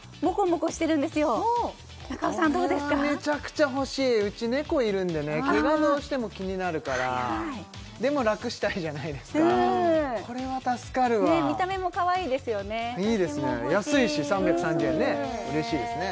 これはめちゃくちゃ欲しいうち猫いるんでね毛がどうしても気になるからでも楽したいじゃないですかこれは助かるわ見た目もかわいいですよねいいですね